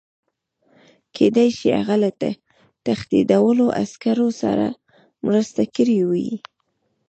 کېدای شي هغه له تښتېدلو عسکرو سره مرسته کړې وي